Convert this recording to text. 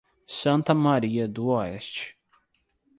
Santa Maria do Oeste